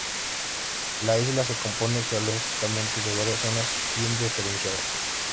La isla se compone geológicamente de varias zonas bien diferenciadas.